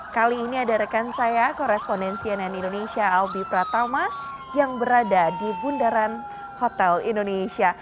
kali ini ada rekan saya korespondensi nn indonesia albi pratama yang berada di bundaran hotel indonesia